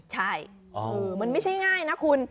ใช่มันไม่ใช่ง่ายนะคุณ